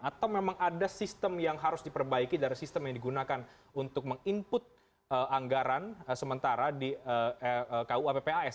atau memang ada sistem yang harus diperbaiki dari sistem yang digunakan untuk meng input anggaran sementara di kuappas